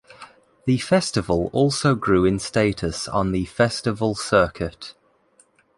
The festival also grew in status on the festival circuit.